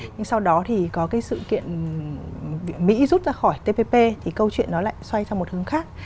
nhưng sau đó thì có cái sự kiện mỹ rút ra khỏi tpp thì câu chuyện nó lại xoay theo một hướng khác